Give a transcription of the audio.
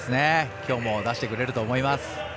きょうも出してくれると思います。